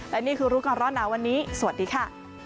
และนี่คือรู้ก่อนร้อนหนาวันนี้สวัสดีค่ะ